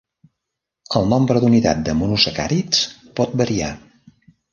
El nombre d'unitat de monosacàrids pot variar.